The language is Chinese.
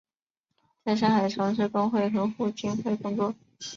在上海从事工会和互济会工作。